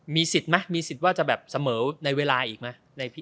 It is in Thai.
มีสิทธิ์ไหมมีสิทธิ์ว่าจะแบบเสมอในเวลาอีกไหม